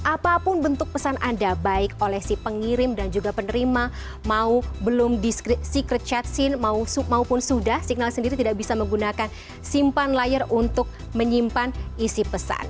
apapun bentuk pesan anda baik oleh si pengirim dan juga penerima mau belum di secret chat scene maupun sudah signal sendiri tidak bisa menggunakan simpan layar untuk menyimpan isi pesan